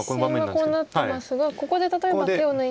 実戦はこうなってますがここで例えば手を抜いたら。